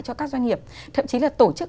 cho các doanh nghiệp thậm chí là tổ chức